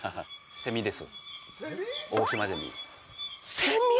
セミです。